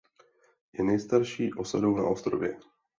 Je nejstarší osadou na ostrově.